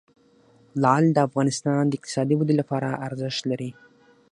لعل د افغانستان د اقتصادي ودې لپاره ارزښت لري.